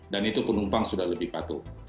dan itu penumpang sudah lebih patuh